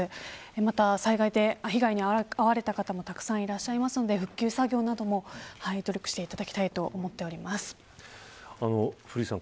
また被害に遭われた方もたくさんいらっしゃいますので復旧作業なども努力して古市さん